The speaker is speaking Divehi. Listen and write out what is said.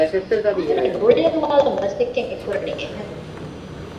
އަހަރެން ރުޅި އަރުވާލަން މަސައްކަތް އެކުރަނީ އެހެންވެ